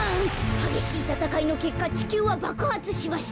はげしいたたかいのけっかちきゅうはばくはつしました。